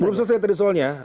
belum selesai tadi soalnya